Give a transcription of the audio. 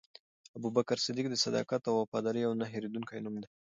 ابوبکر صدیق د صداقت او وفادارۍ یو نه هېرېدونکی نوم دی.